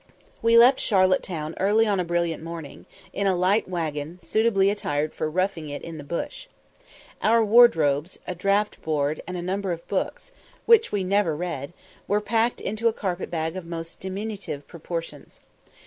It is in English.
We left Charlotte Town early on a brilliant morning, in a light waggon, suitably attired for "roughing it in the bush." Our wardrobes, a draught board, and a number of books (which we never read), were packed into a carpetbag of most diminutive proportions.